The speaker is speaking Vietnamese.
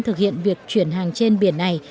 thực hiện việc chuyển hàng trên biển này